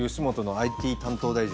ＩＴ担当大臣。